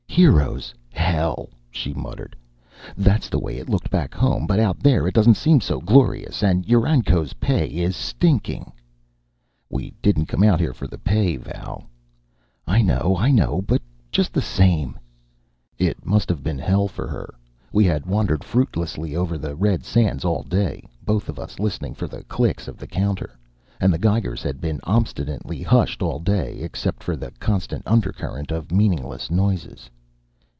"Heroes, hell!" she muttered. "That's the way it looked back home, but, out there it doesn't seem so glorious. And UranCo's pay is stinking." "We didn't come out here for the pay, Val." "I know, I know, but just the same " It must have been hell for her. We had wandered fruitlessly over the red sands all day, both of us listening for the clicks of the counter. And the geigers had been obstinately hushed all day, except for their constant undercurrent of meaningless noises.